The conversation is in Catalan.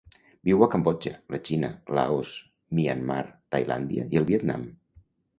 Viu a Cambodja, la Xina, Laos, Myanmar, Tailàndia i el Vietnam.